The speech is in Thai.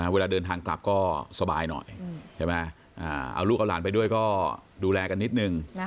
เวลาเดินทางกลับก็สบายหน่อยใช่ไหมเอาลูกเอาหลานไปด้วยก็ดูแลกันนิดนึง